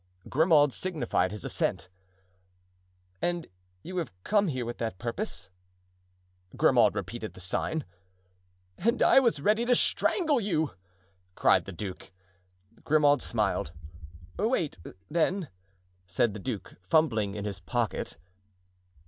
Grimaud signified his assent. "And you have come here with that purpose?" Grimaud repeated the sign. "And I was ready to strangle you!" cried the duke. Grimaud smiled. "Wait, then," said the duke, fumbling in his pocket.